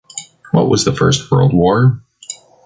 What was the First World War?